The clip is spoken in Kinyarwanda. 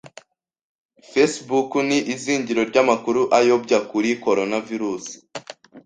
Facebook ni izingiro ry'amakuru ayobya kuri coronavirus